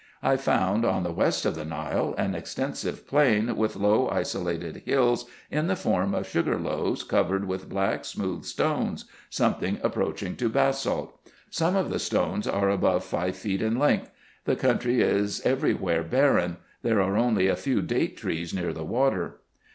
I found, on the west of the Nile, an extensive plain, with low, isolated hills, in the form of sugar loaves, covered with black, smooth stones, something approaching to basalt. Some of the stones are above five feet in length. The country is every where barren ; there are only a few date trees near the water.